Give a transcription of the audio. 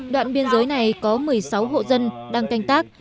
đoạn biên giới này có một mươi sáu hộ dân đang canh tác